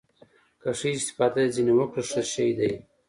که ښه استفاده دې ځنې وکړه ښه شى ديه.